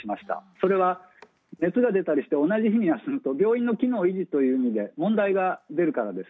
それは、熱が出たりして同じ日に休むと病院の機能を維持するために問題が出るからです。